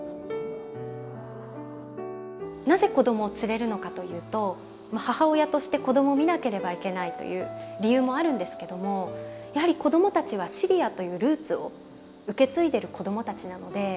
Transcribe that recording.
なぜ子供を連れるのかというと母親として子供を見なければいけないという理由もあるんですけどもやはり子供たちはシリアというルーツを受け継いでる子供たちなので。